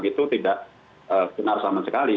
itu tidak benar sama sekali